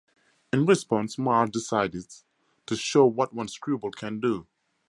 In response, Marge decides to "show what one screwball can do".